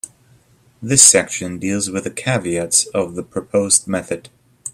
This section deals with the caveats of the proposed method.